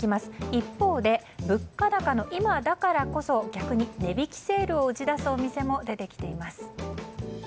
一方で、物価高の今だからこそ逆に値引きセールを打ち出すお店も出てきています。